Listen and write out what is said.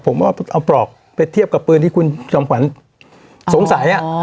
ผมว่าเอาปลอกไปเทียบกับปืนที่คุณจอมขวัญสงสัย